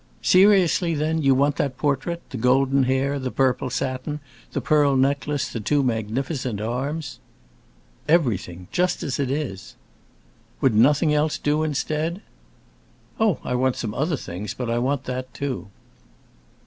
"Seriously, then, you want that portrait—the golden hair, the purple satin, the pearl necklace, the two magnificent arms?" "Everything—just as it is." "Would nothing else do, instead?" "Oh, I want some other things, but I want that too."